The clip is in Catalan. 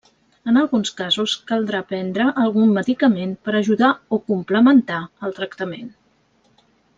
En alguns casos caldrà prendre algun medicament per ajudar o complementar el tractament.